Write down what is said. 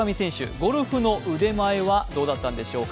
ゴルフの腕前はどうだったんでしょうか。